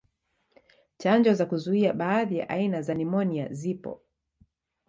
Chanjo za kuzuia baadhi ya aina za nimonia zipo.